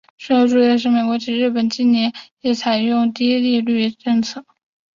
需要注意的是日本及美国近年亦采用低利率政策。